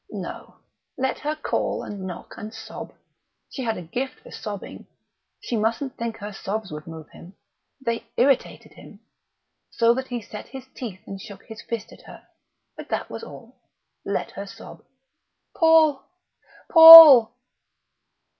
No: let her call and knock and sob. She had a gift for sobbing; she mustn't think her sobs would move him. They irritated him, so that he set his teeth and shook his fist at her, but that was all. Let her sob. "_Paul!... Paul!